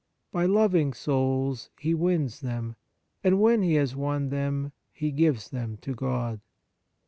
By loving souls he wins them ; and when he has won them, he gives them to God.